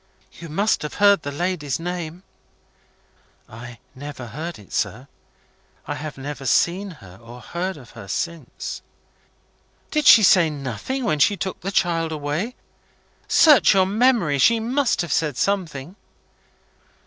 You must have heard the lady's name?" "I never heard it, sir. I have never seen her, or heard of her, since." "Did she say nothing when she took the child away? Search your memory. She must have said something."